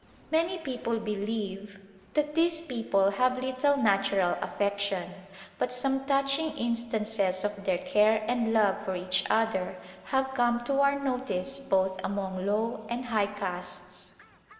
Many people believe that these people have little natural affection, but some touching instances of their care and love for each other have come to our notice both among low and high castes.